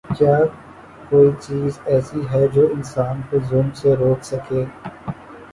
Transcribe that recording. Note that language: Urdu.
کیا کوئی چیز ایسی ہے جو انسان کو ظلم سے روک سکے؟